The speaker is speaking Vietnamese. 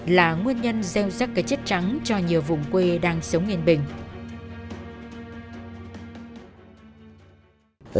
là nguyên nhân gieo sắc cái chất trắng cho nhiều vùng quê đang sống yên bình